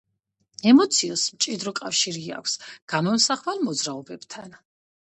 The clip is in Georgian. ემოციას მჭიდრო კავშირი აქვს გამომსახველ მოძრაობებთან.